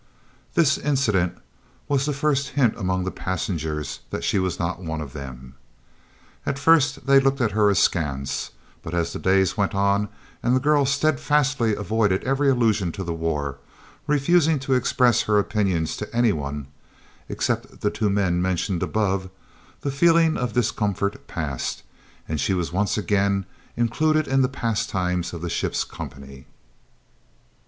This incident was the first hint among the passengers that she was not one of them. At first they looked at her askance, but as the days went on and the girl steadfastly avoided every allusion to the war, refusing to express her opinions to any one, except the two men mentioned above, the feeling of discomfort passed, and she was once again included in the pastimes of the ship's company.